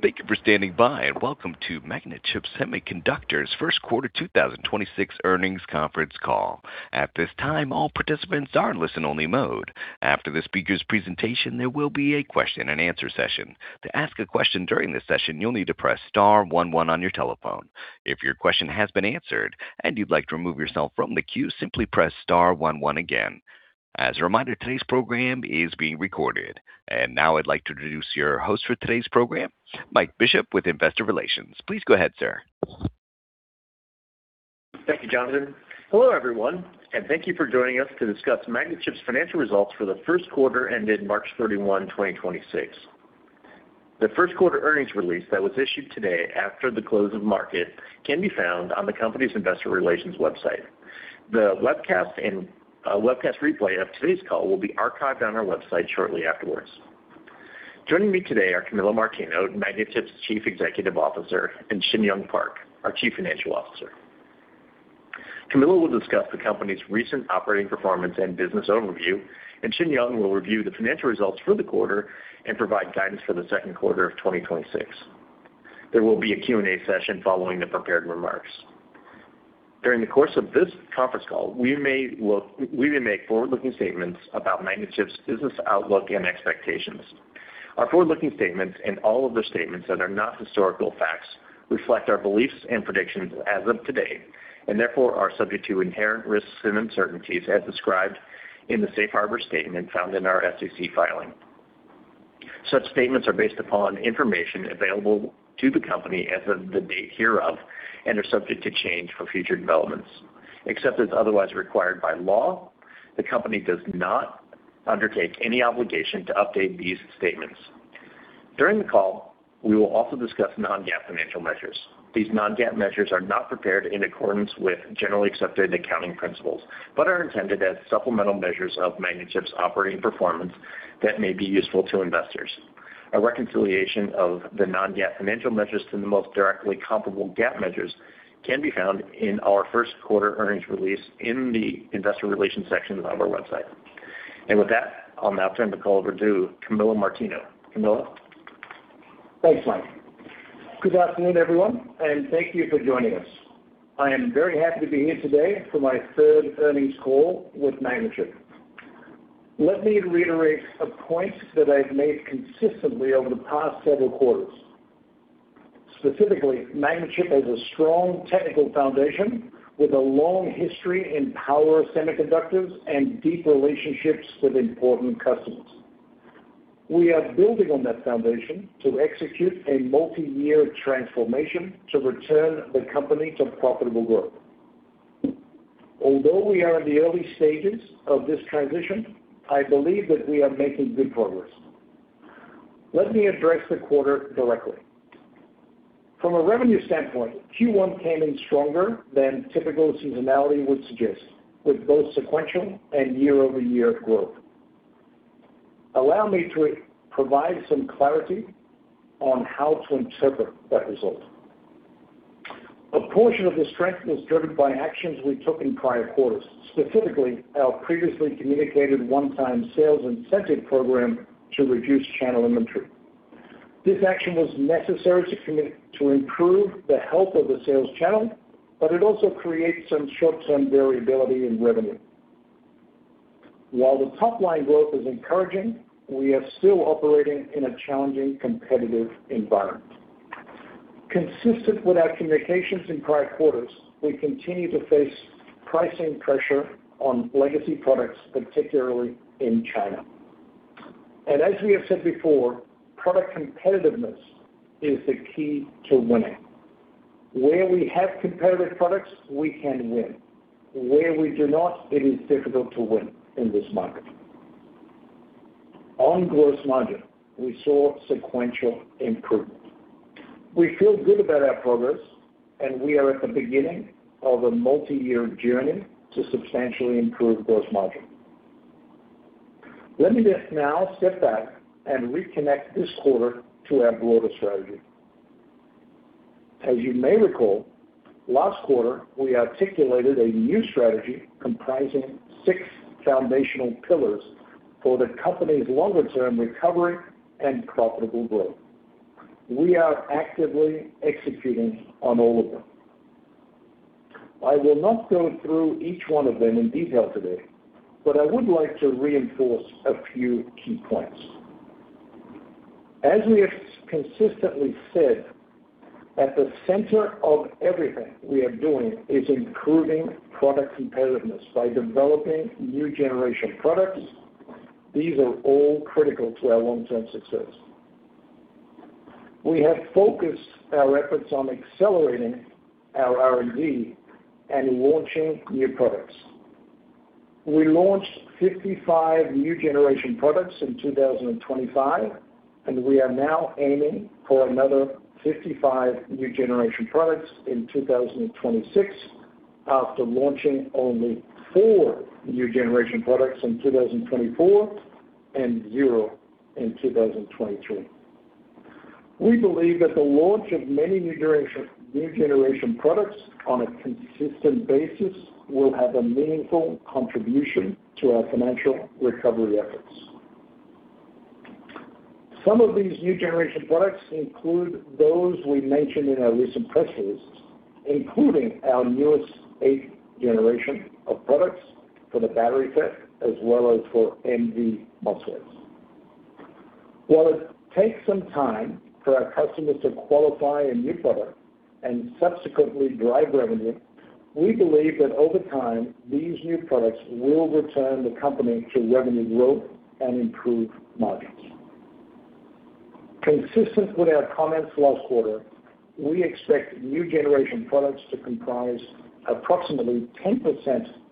Thank you for standing by, and welcome to Magnachip Semiconductor's first quarter 2026 earnings conference call. At this time, all participants are in listen-only mode. After the speaker's presentation, there will be a question-and-answer session. To ask a question during this session, you'll need to press star one one on your telephone. If your question has been answered and you'd like to remove yourself from the queue, simply press star one one again. As a reminder, today's program is being recorded. Now I'd like to introduce your host for today's program, Mike Bishop with Investor Relations. Please go ahead, sir. Thank you, Jonathan. Hello, everyone, and thank you for joining us to discuss Magnachip's financial results for the first quarter ended March 31, 2026. The first quarter earnings release that was issued today after the close of market can be found on the company's investor relations website. The webcast and webcast replay of today's call will be archived on our website shortly afterwards. Joining me today are Camillo Martino, Magnachip's Chief Executive Officer, and Shinyoung Park, our Chief Financial Officer. Camillo will discuss the company's recent operating performance and business overview. Shinyoung will review the financial results for the quarter and provide guidance for the second quarter of 2026. There will be a Q&A session following the prepared remarks. During the course of this conference call, we may make forward-looking statements about Magnachip's business outlook and expectations. Our forward-looking statements and all of the statements that are not historical facts reflect our beliefs and predictions as of today, and therefore are subject to inherent risks and uncertainties as described in the safe harbor statement found in our SEC filing. Such statements are based upon information available to the company as of the date hereof and are subject to change for future developments. Except as otherwise required by law, the company does not undertake any obligation to update these statements. During the call, we will also discuss non-GAAP financial measures. These non-GAAP measures are not prepared in accordance with generally accepted accounting principles, but are intended as supplemental measures of Magnachip's operating performance that may be useful to investors. A reconciliation of the non-GAAP financial measures to the most directly comparable GAAP measures can be found in our first quarter earnings release in the investor relations section of our website. With that, I'll now turn the call over to Camillo Martino. Camillo? Thanks, Mike. Good afternoon, everyone, and thank you for joining us. I am very happy to be here today for my third earnings call with Magnachip. Let me reiterate a point that I've made consistently over the past several quarters. Specifically, Magnachip has a strong technical foundation with a long history in power semiconductors and deep relationships with important customers. We are building on that foundation to execute a multi-year transformation to return the company to profitable growth. Although we are in the early stages of this transition, I believe that we are making good progress. Let me address the quarter directly. From a revenue standpoint, Q1 came in stronger than typical seasonality would suggest, with both sequential and year-over-year growth. Allow me to provide some clarity on how to interpret that result. A portion of the strength was driven by actions we took in prior quarters, specifically our previously communicated one-time sales incentive program to reduce channel inventory. This action was necessary to improve the health of the sales channel. It also creates some short-term variability in revenue. While the top-line growth is encouraging, we are still operating in a challenging competitive environment. Consistent with our communications in prior quarters, we continue to face pricing pressure on legacy products, particularly in China. As we have said before, product competitiveness is the key to winning. Where we have competitive products, we can win. Where we do not, it is difficult to win in this market. On gross margin, we saw sequential improvement. We feel good about our progress. We are at the beginning of a multi-year journey to substantially improve gross margin. Let me just now step back and reconnect this quarter to our broader strategy. As you may recall, last quarter we articulated a new strategy comprising six foundational pillars for the company's longer-term recovery and profitable growth. We are actively executing on all of them. I will not go through each one of them in detail today, but I would like to reinforce a few key points. As we have consistently said, at the center of everything we are doing is improving product competitiveness by developing new generation products. These are all critical to our long-term success. We have focused our efforts on accelerating our R&D and launching new products. We launched 55 new generation products in 2025. We are now aiming for another 55 new generation products in 2026 after launching only four new generation products in 2024 and zero in 2023. We believe that the launch of many new generation products on a consistent basis will have a meaningful contribution to our financial recovery efforts. Some of these new generation products include those we mentioned in our recent press releases, including our newest 8th generation of products for the BatteryFET as well as for MV MOSFETs. While it takes some time for our customers to qualify a new product and subsequently drive revenue, we believe that over time, these new products will return the company to revenue growth and improve margins. Consistent with our comments last quarter, we expect new generation products to comprise approximately 10%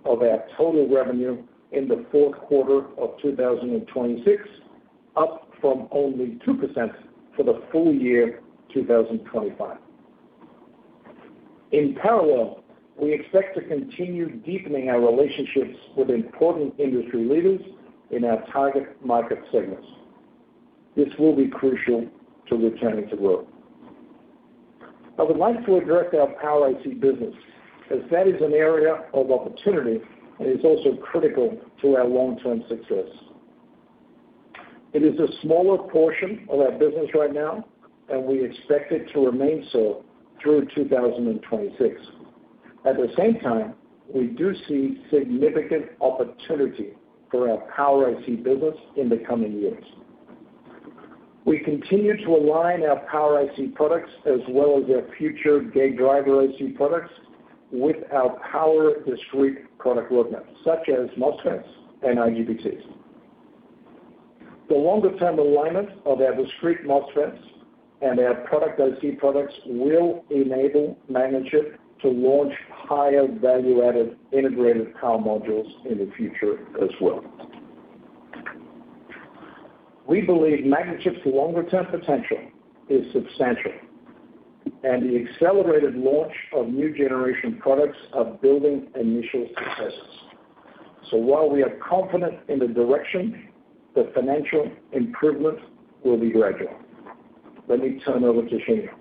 of our total revenue in the fourth quarter of 2026, up from only 2% for the full year 2025. In parallel, we expect to continue deepening our relationships with important industry leaders in our target market segments. This will be crucial to returning to growth. I would like to address our Power IC business, as that is an area of opportunity and is also critical to our long-term success. It is a smaller portion of our business right now, and we expect it to remain so through 2026. At the same time, we do see significant opportunity for our Power IC business in the coming years. We continue to align our Power IC products as well as our future gate driver IC products with our power discrete product roadmap, such as MOSFETs and IGBTs. The longer-term alignment of our discrete MOSFETs and our Power IC products will enable Magnachip to launch higher value-added integrated power modules in the future as well. We believe Magnachip's longer-term potential is substantial. The accelerated launch of new generation products are building initial successes. While we are confident in the direction, the financial improvement will be gradual. Let me turn over to Shinyoung.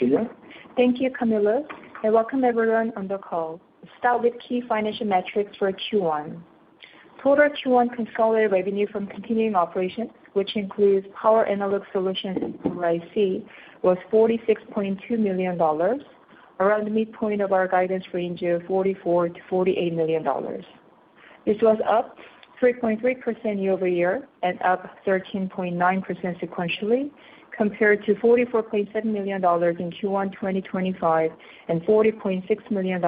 Shinyoung? Thank you, Camillo, and welcome everyone on the call. Let's start with key financial metrics for Q1. Total Q1 consolidated revenue from continuing operations, which includes power analog solutions and Power IC, was $46.2 million, around the midpoint of our guidance range of $44 million-$48 million. This was up 3.3% year-over-year and up 13.9% sequentially compared to $44.7 million in Q1 2025 and $40.6 million in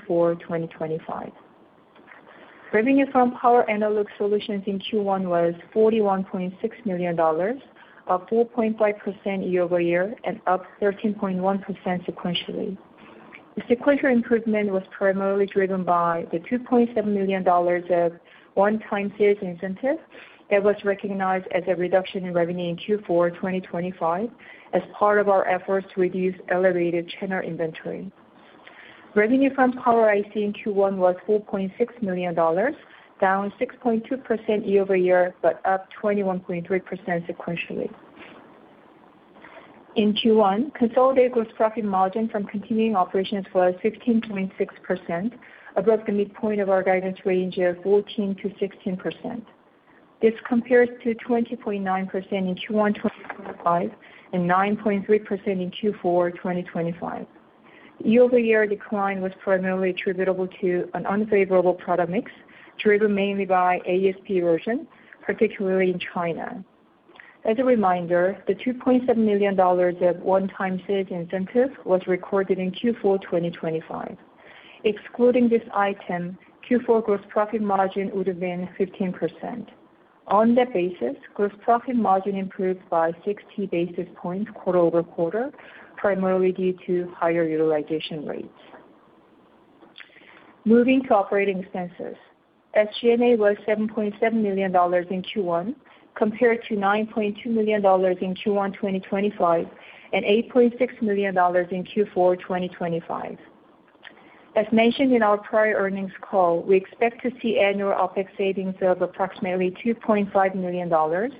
Q4 2025. Revenue from power analog solutions in Q1 was $41.6 million, up 4.5% year-over-year and up 13.1% sequentially. The sequential improvement was primarily driven by the $2.7 million of one-time sales incentive that was recognized as a reduction in revenue in Q4 2025 as part of our efforts to reduce elevated channel inventory. Revenue from Power IC in Q1 was $4.6 million, down 6.2% year-over-year, but up 21.3% sequentially. In Q1, consolidated gross profit margin from continuing operations was 15.6%, above the midpoint of our guidance range of 14%-16%. This compares to 20.9% in Q1 2025 and 9.3% in Q4 2025. Year-over-year decline was primarily attributable to an unfavorable product mix, driven mainly by ASP erosion, particularly in China. As a reminder, the $2.7 million of one-time sales incentive was recorded in Q4 2025. Excluding this item, Q4 gross profit margin would have been 15%. On that basis, gross profit margin improved by 60 basis points quarter-over-quarter, primarily due to higher utilization rates. Moving to operating expenses. SG&A was $7.7 million in Q1 compared to $9.2 million in Q1 2025 and $8.6 million in Q4 2025. As mentioned in our prior earnings call, we expect to see annual OpEx savings of approximately $2.5 million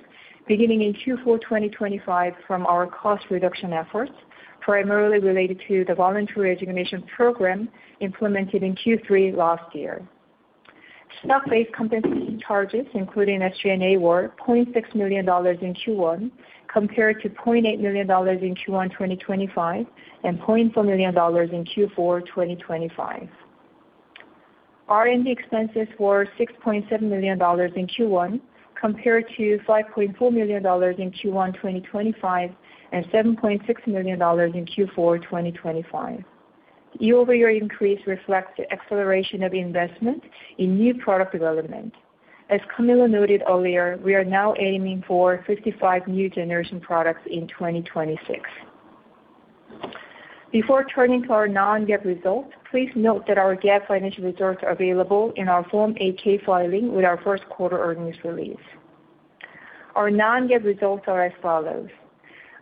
beginning in Q4 2025 from our cost reduction efforts, primarily related to the voluntary resignation program implemented in Q3 last year. Stock-based compensation charges, including SG&A, were $0.6 million in Q1 compared to $0.8 million in Q1 2025 and $0.4 million in Q4 2025. R&D expenses were $6.7 million in Q1 compared to $5.4 million in Q1 2025 and $7.6 million in Q4 2025. Year-over-year increase reflects the acceleration of investment in new product development. As Camillo noted earlier, we are now aiming for 55 new generation products in 2026. Before turning to our non-GAAP results, please note that our GAAP financial results are available in our Form 8-K filing with our first quarter earnings release. Our non-GAAP results are as follows: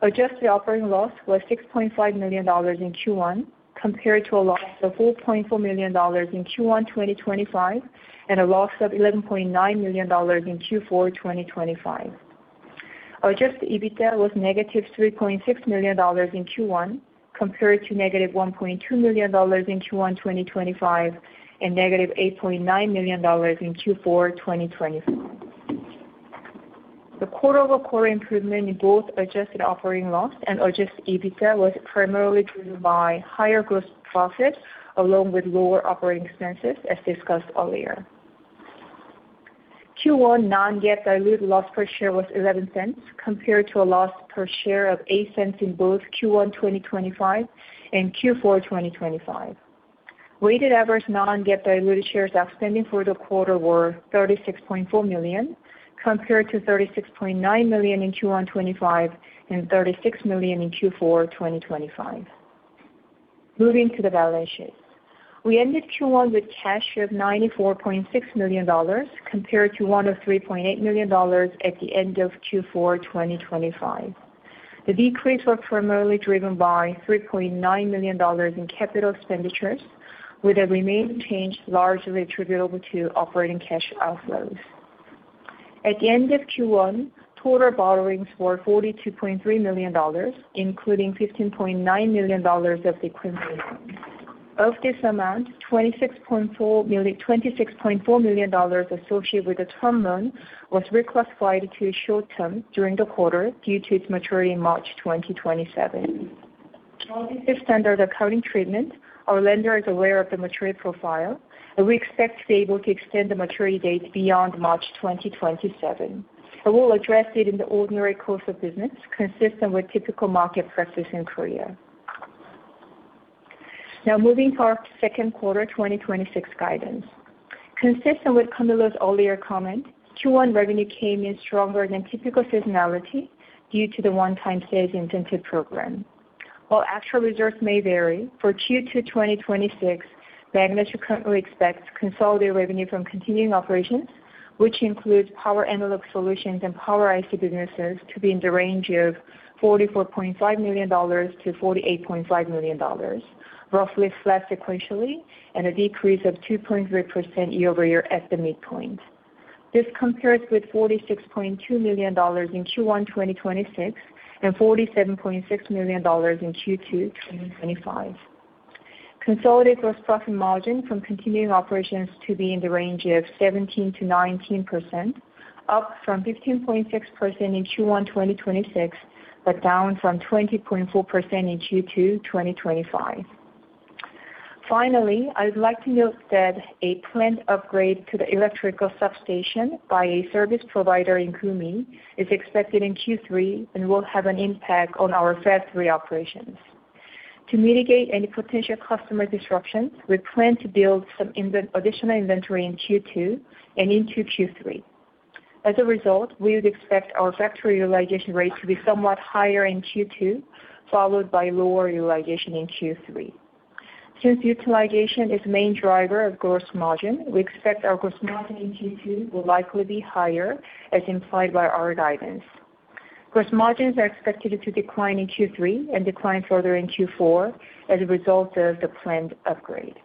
Adjusted operating loss was $6.5 million in Q1 compared to a loss of $4.4 million in Q1 2025 and a loss of $11.9 million in Q4 2025. Adjusted EBITDA was negative $3.6 million in Q1. Compared to negative $1.2 million in Q1 2025 and negative $8.9 million in Q4 2025. The quarter-over-quarter improvement in both adjusted operating loss and adjusted EBITDA was primarily driven by higher gross profit along with lower operating expenses, as discussed earlier. Q1 non-GAAP dilute loss per share was $0.11 compared to a loss per share of $0.08 in both Q1 2025 and Q4 2025. Weighted average non-GAAP diluted shares outstanding for the quarter were 36.4 million, compared to 36.9 million in Q1 2025 and 36 million in Q4 2025. Moving to the balance sheet. We ended Q1 with cash of $94.6 million, compared to $103.8 million at the end of Q4 2025. The decrease was primarily driven by $3.9 million in capital expenditures, with the remaining change largely attributable to operating cash outflows. At the end of Q1, total borrowings were $42.3 million, including $15.9 million of the equipment loan. Of this amount, nearly $26.4 million associated with the term loan was reclassified to short term during the quarter due to its maturity in March 2027. While this is standard accounting treatment, our lender is aware of the maturity profile. We expect to be able to extend the maturity date beyond March 2027. We'll address it in the ordinary course of business, consistent with typical market practice in Korea. Now moving to our second quarter 2026 guidance. Consistent with Camillo's earlier comment, Q1 revenue came in stronger than typical seasonality due to the one-time sales incentive program. While actual results may vary, for Q2 2026, Magna currently expects consolidated revenue from continuing operations, which includes power analog solutions and Power IC businesses, to be in the range of $44.5 million-$48.5 million, roughly flat sequentially, a decrease of 2.3% year-over-year at the midpoint. This compares with $46.2 million in Q1 2026 and $47.6 million in Q2 2025. Consolidated gross profit margin from continuing operations to be in the range of 17%-19%, up from 15.6% in Q1 2026, down from 20.4% in Q2 2025. Finally, I would like to note that a planned upgrade to the electrical substation by a service provider in Gumi is expected in Q3 and will have an impact on our factory operations. To mitigate any potential customer disruptions, we plan to build some additional inventory in Q2 and into Q3. As a result, we would expect our factory utilization rate to be somewhat higher in Q2, followed by lower utilization in Q3. Since utilization is main driver of gross margin, we expect our gross margin in Q2 will likely be higher, as implied by our guidance. Gross margins are expected to decline in Q3 and decline further in Q4 as a result of the planned upgrade.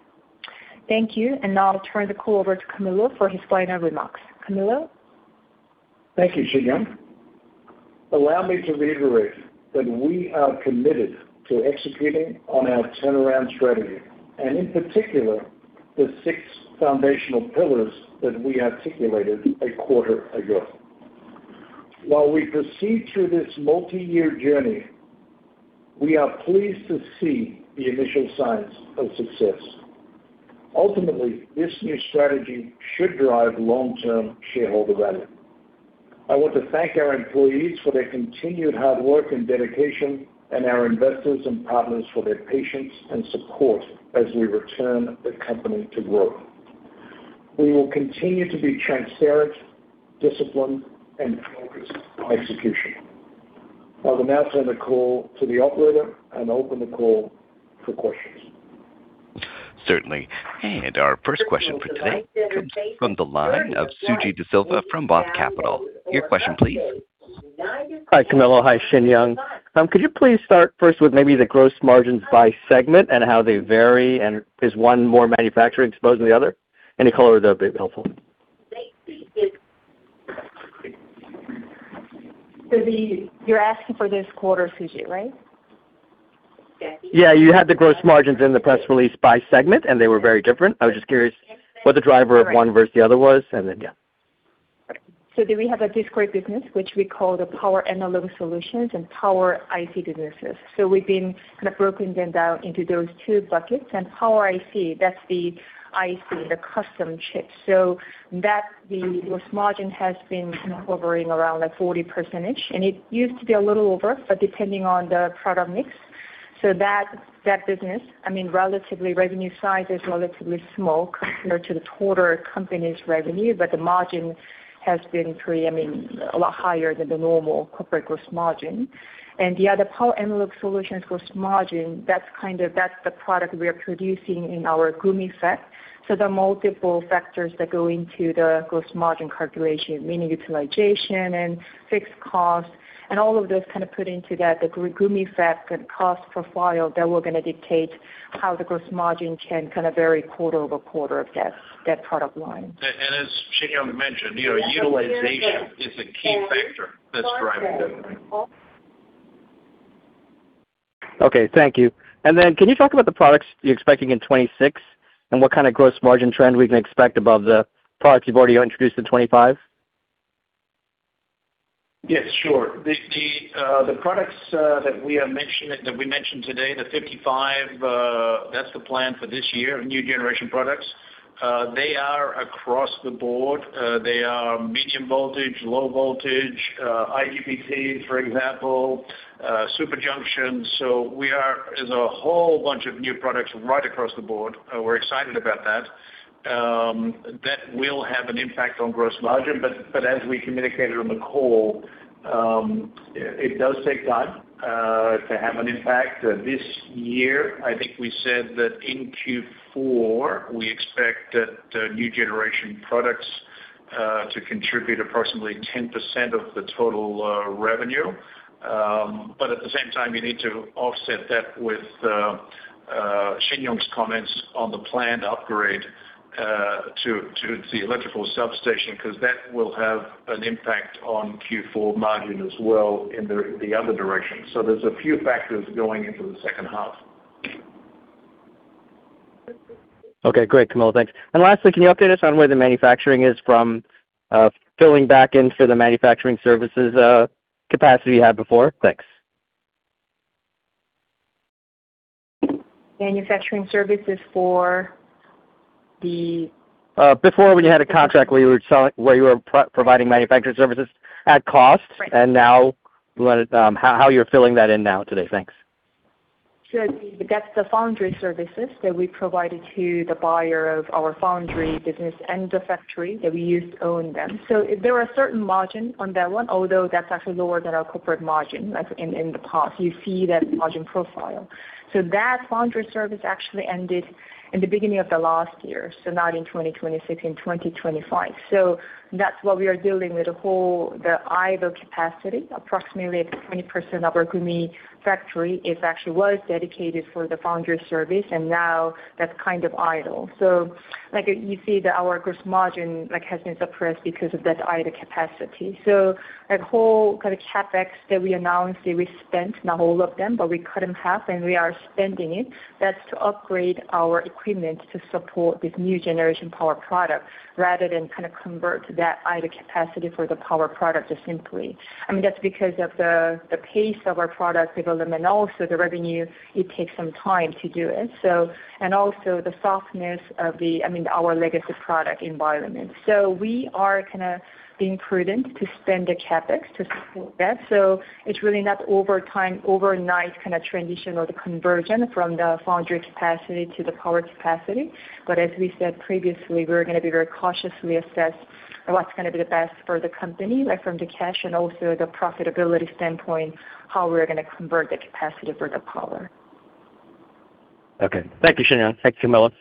Thank you. Now I'll turn the call over to Camillo for his final remarks. Camillo? Thank you, Shinyoung. Allow me to reiterate that we are committed to executing on our turnaround strategy, and in particular, the six foundational pillars that we articulated a quarter ago. While we proceed through this multi-year journey, we are pleased to see the initial signs of success. Ultimately, this new strategy should drive long-term shareholder value. I want to thank our employees for their continued hard work and dedication, and our investors and partners for their patience and support as we return the company to growth. We will continue to be transparent, disciplined, and focused on execution. I will now turn the call to the operator and open the call for questions. Certainly. Our first question for today comes from the line of Suji Desilva from ROTH Capital. Your question please. Hi, Camillo. Hi, Shinyoung. Could you please start first with maybe the gross margins by segment and how they vary, and is one more manufacturing exposed than the other? Any color would be helpful. you're asking for this quarter, Suji, right? You had the gross margins in the press release by segment, and they were very different. I was just curious what the driver of one versus the other was. We have a discrete business, which we call the power analog solutions and power IC businesses. We've been kind of broken them down into those two buckets. Power IC, that's the IC, the custom chip. That the gross margin has been kind of hovering around like 40%, and it used to be a little over, but depending on the product mix. That, that business, I mean, relatively revenue size is relatively small compared to the total company's revenue, but the margin has been pretty, I mean, a lot higher than the normal corporate gross margin. The other power analog solutions gross margin, that's the product we are producing in our Gumi fab. There are multiple factors that go into the gross margin calculation, meaning utilization and fixed cost, and all of those kind of put into that, the G-Gumi fab cost profile that we're going to dictate how the gross margin can kind of vary quarter-over-quarter of that product line. As Shinyoung mentioned, you know, utilization is a key factor that's driving that. Okay, thank you. Can you talk about the products you're expecting in 2026 and what kind of gross margin trend we can expect above the products you've already introduced in 2025? Yes, sure. The, the products that we mentioned today, the 55, that's the plan for this year of new generation products. They are across the board. They are medium voltage, low voltage, IGBT, for example, Super Junction. There's a whole bunch of new products right across the board. We're excited about that. That will have an impact on gross margin. As we communicated on the call, it does take time to have an impact this year. I think we said that in Q4, we expect that new generation products to contribute approximately 10% of the total revenue. At the same time, you need to offset that with Shinyoung's comments on the planned upgrade to the electrical substation, 'cause that will have an impact on Q4 margin as well in the other direction. There's a few factors going into the second half. Okay, great, Camillo. Thanks. Lastly, can you update us on where the manufacturing is from, filling back in for the manufacturing services capacity you had before? Thanks. Manufacturing services for before when you had a contract where you were providing manufacturing services at cost. Right. now, when it, how you're filling that in now today? Thanks. Sure. That's the foundry services that we provided to the buyer of our foundry business and the factory that we used to own them. There are certain margin on that one, although that's actually lower than our corporate margin, like in the past, you see that margin profile. That foundry service actually ended in the beginning of the last year, not in 2026, in 2025. That's what we are dealing with the whole, the idle capacity. Approximately 20% of our Gumi factory is actually was dedicated for the foundry service, and now that's kind of idle. Like you see that our gross margin, like, has been suppressed because of that idle capacity. That whole kind of CapEx that we announced that we spent, not all of them, but we cut in half and we are spending it, that's to upgrade our equipment to support this new generation power product rather than kind of convert that idle capacity for the power product simply. I mean, that's because of the pace of our product development, also the revenue, it takes some time to do it, also the softness of the, I mean, our legacy product environment. We are kinda being prudent to spend the CapEx to support that. It's really not over time, overnight kinda transition or the conversion from the foundry capacity to the power capacity. As we said previously, we're gonna be very cautiously assess what's gonna be the best for the company, like from the cash and also the profitability standpoint, how we're gonna convert the capacity for the power. Okay. Thank you, Shinyoung. Thank you, Camillo.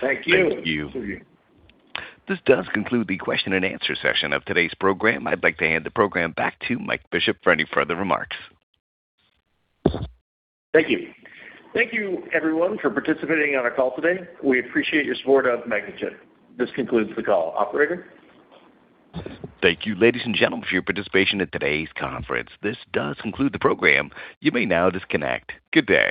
Thank you. Thank you. This does conclude the question-and-answer session of today's program. I'd like to hand the program back to Mike Bishop for any further remarks. Thank you. Thank you everyone for participating on our call today. We appreciate your support of Magnachip. This concludes the call. Operator? Thank you, ladies and gentlemen, for your participation in today's conference. This does conclude the program. You may now disconnect. Good day.